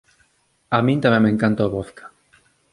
A min tamén me encanta o vodka.